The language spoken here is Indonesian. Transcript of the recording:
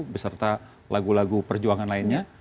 beserta lagu lagu perjuangan lainnya